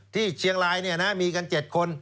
ที่เชียงรายนี่นะมีกัน๗คน